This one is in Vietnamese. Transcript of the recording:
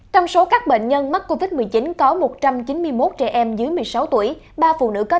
trong số các bệnh nhân mắc covid một mươi chín có một trăm chín mươi một trẻ em dưới một mươi sáu tuổi